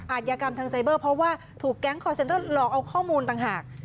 ยากรรมทางไซเบอร์เพราะว่าถูกแก๊งคอร์เซ็นเตอร์หลอกเอาข้อมูลต่างหาก